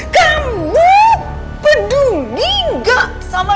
kamu peduli gak sama